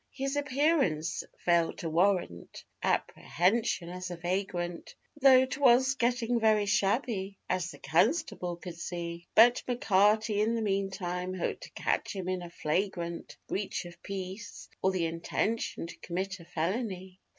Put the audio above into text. His appearance failed to warrant apprehension as a vagrant, Tho' 'twas getting very shabby, as the constable could see; But M'Carty in the meantime hoped to catch him in a flagrant Breach of peace, or the intention to commit a felony.